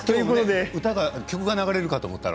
曲が流れるかと思ったら。